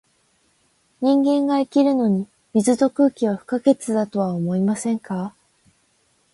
人間が生きるのに、水と空気は不可欠だとは思いませんか？